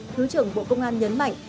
thứ trưởng bộ công an nhấn mạnh